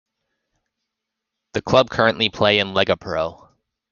The club currently play in Lega Pro.